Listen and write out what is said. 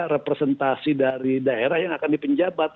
representasi dari daerah yang akan dipenjabat